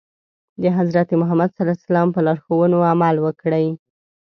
د حضرت محمد ص په لارښوونو عمل وکړي.